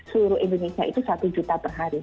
seluruh indonesia itu satu juta per hari